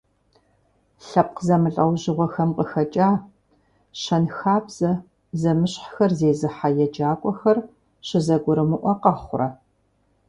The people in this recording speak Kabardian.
Лъэпкъ зэмылӏэужьыгъуэхэм къыхэкӏа, щэнхабзэ зэмыщхьхэр зезыхьэ еджакӀуэхэр щызэгурымыӀуэ къэхъурэ?